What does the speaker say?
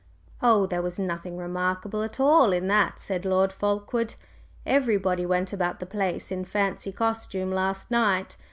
"Oh, there was nothing remarkable at all in that," said Lord Fulkeward. "Everybody went about the place in fancy costume last night.